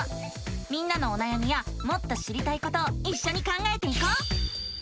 みんなのおなやみやもっと知りたいことをいっしょに考えていこう！